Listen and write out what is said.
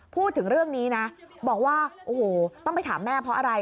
พูดถึงเรื่องนี้นะบอกว่าโอ้โหต้องไปถามแม่เพราะอะไร